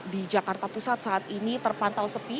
di jakarta pusat saat ini terpantau sepi